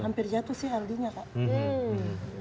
hampir jatuh sih aldi nya kak